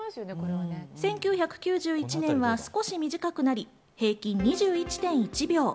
１９９１年は少し短くなり平均２１．１秒。